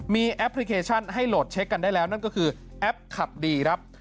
มีแอปพลิเคชันให้โหลดเช็คกันได้แล้วนั่นก็คือแอปขับดีครับ